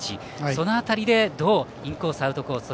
その辺りでどうインコース、アウトコース